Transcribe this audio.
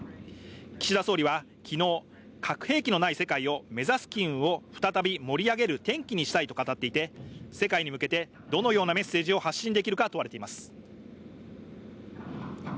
岸田総理は昨日、核兵器のない世界を目指す機運を再び盛り上げる転機にしたいと語っていて、世界に向けてどのようなメッセージを発信できるか問われています。